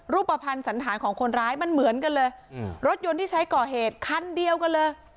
รูปภัณฑ์สันธารของคนร้ายมันเหมือนกันเลยรถยนต์ที่ใช้ก่อเหตุคันเดียวกันเลย